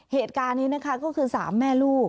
เหตุการณ์นี้นะคะก็คือ๓แม่ลูก